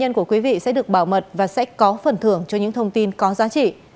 thông tin của quý vị sẽ được bảo mật và sẽ có phần thưởng cho những thông tin có giá trị